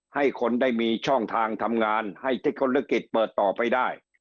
ให้คนได้มีช่องทางทำงานให้เทคนิคเปิดต่อไปได้